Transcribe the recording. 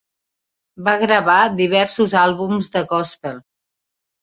Va gravar diversos àlbums de gòspel.